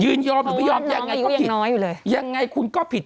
ยืนยอมหรือไม่ยอมยังไงก็ผิดยังไงคุณก็ผิด